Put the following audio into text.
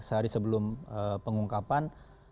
sehari sebelum pengungkapan